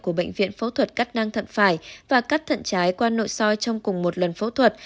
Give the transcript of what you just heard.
của bệnh viện phẫu thuật cắt năng thận phải và cắt thận trái qua nội soi trong cùng một lần phẫu thuật